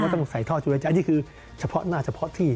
เขาก็ต้องใส่ทอดจุดใดอันนี้คือเฉพาะหน้าเฉพาะที่